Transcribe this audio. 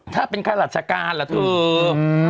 ถ้าเป็นข้ารัชการหรอธืม